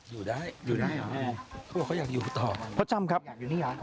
อยู่ได้อยู่ได้เหรอเขาบอกเขาอยากอยู่ต่อพ่อจ้ำครับอยากอยู่นี่เหรอ